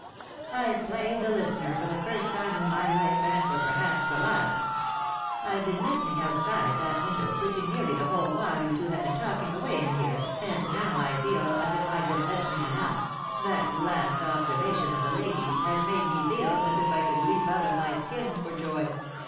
" I've played the listener for the first time in my life, and for perhaps the last I've been listening out side that window pretty nearly the whole while you two have been talking away in here, and now I feel as if I'd been listening enough — that last observation of the lady's has made me feel as if I could leap out of my skin for joy.